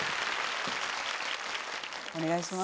お願いします